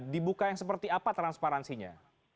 dibuka yang seperti apa transparansinya